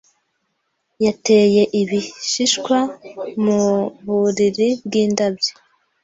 Yateye ibishishwa mu buriri bwindabyo.